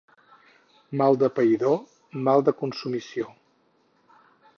Mal de païdor, mal de consumició.